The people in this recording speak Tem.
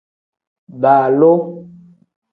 Baaloo.